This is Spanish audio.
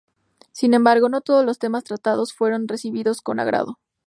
Sin embargo, no todos los temas tratados fueron recibidos con agrado.